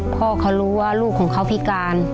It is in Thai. พ่อเขารู้ว่าลูกของเขาพิการ